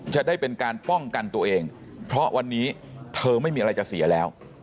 จะได้เป็นการป้องกันตัวเองเพราะวันนี้เธอไม่มีอะไรจะเสียแล้ว